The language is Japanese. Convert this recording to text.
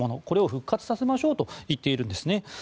これを復活させましょうと言っているんですね。